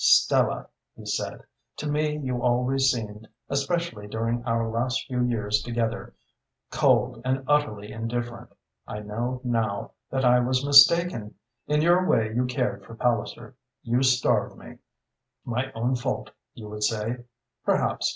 "Stella," he said, "to me you always seemed, especially during our last few years together, cold and utterly indifferent. I know now that I was mistaken. In your way you cared for Palliser. You starved me. My own fault, you would say? Perhaps.